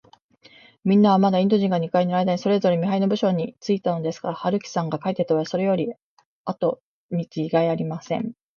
みんなは、まだインド人が二階にいるあいだに、それぞれ見はりの部署についたのですから、春木さんが帰ってきたのは、それよりあとにちがいありません。